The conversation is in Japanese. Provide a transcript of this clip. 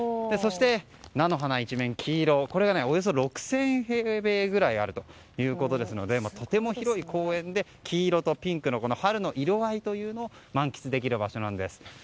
そして、菜の花一面黄色これがおよそ６０００平米ぐらいあるということですのでとても広い公園で黄色とピンクの春の色合いを満喫できる場所なんです。